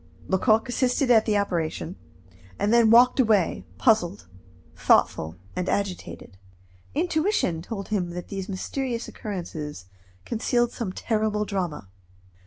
Lecoq assisted at this operation, and then walked away, puzzled, thoughtful, and agitated. Intuition told him that these mysterious occurrences concealed some terrible drama.